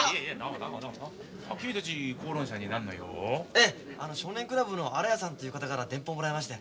ええあの「少年クラブ」の新谷さんという方から電報をもらいまして。